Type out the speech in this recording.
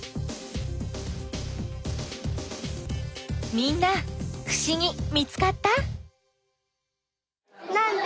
みんなふしぎ見つかった？